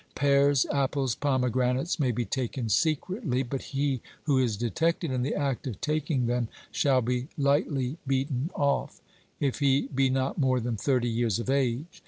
Pears, apples, pomegranates, may be taken secretly, but he who is detected in the act of taking them shall be lightly beaten off, if he be not more than thirty years of age.